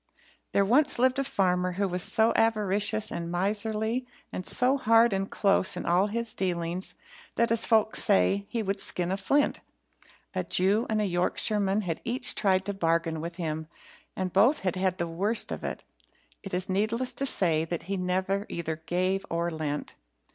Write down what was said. There once lived a farmer who was so avaricious and miserly, and so hard and close in all his dealings that, as folks say, he would skin a flint. A Jew and a Yorkshireman had each tried to bargain with him, and both had had the worst of it. It is needless to say that he never either gave or lent.